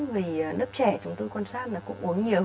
vì lớp trẻ chúng tôi quan sát là cũng uống nhiều